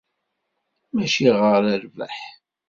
Mačči ɣer rrbeḥ.